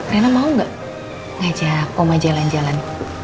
rena mau gak ngajak oma jalan jalan